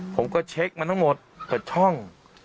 ผมก็เช็คมาทั้งหมดเปิดช่อง